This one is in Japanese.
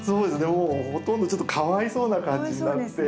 もうほとんどちょっとかわいそうな感じになって。